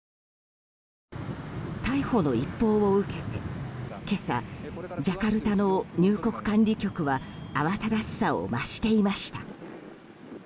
逮捕の一報を受けて今朝、ジャカルタの入国管理局は慌ただしさを増していました。